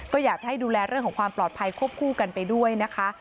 ก็อยากจะให้ดูแลเรื่องของความปลอดภัยควบคู่กันไปด้วยนะคะ